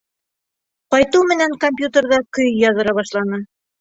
Ҡайтыу менән компьютерҙа көй яҙҙыра башланы.